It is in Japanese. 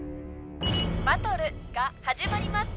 バトルが始まります。